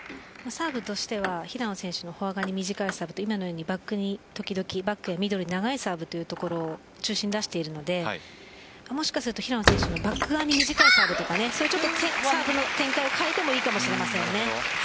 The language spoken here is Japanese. サーブとしては平野選手のフォア側に短いサーブとバックに時々ミドルで短いサーブを中心に出しているので平野選手のバック側に短いサーブやサーブの展開を変えてもいいかもしれません